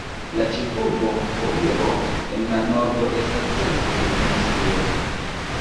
La ĉefurbo Koiro en la nordo estas centro de industrio.